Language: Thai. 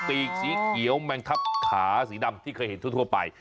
สีเขียวแมงทับขาสีดำที่เคยเห็นทั่วไป